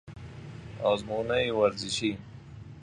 آزمونهی ورزشی